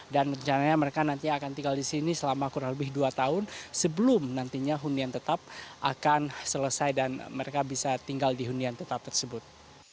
dan rencananya mereka nanti akan tinggal di sini selama kurang lebih dua tahun sebelum nantinya hunian tetap akan selesai dan mereka bisa tinggal di hunian tetap tersebut